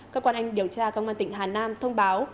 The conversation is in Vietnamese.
cơ quan anh điều tra công an tỉnh hà nam thông báo